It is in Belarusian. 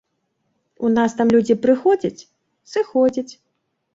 У нас там людзі прыходзяць, сыходзяць.